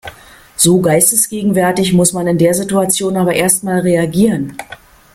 So geistesgegenwärtig muss man in der Situation aber erst mal reagieren.